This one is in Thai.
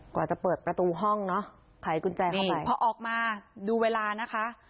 กว่าจะเปิดประตูห้องเนอะไขกุญแจเข้าไปพอออกมาดูเวลานะคะ